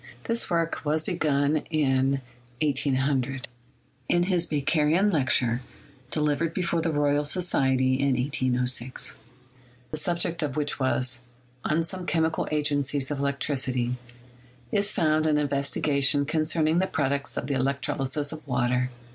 This work was begun in 1800. In his Bakerian lecture delivered before the Royal Society in i8c6, the subject of which was, "On Some Chemical Agencies of Electricity," is found an investiga tion concerning the products of the electrolysis of water.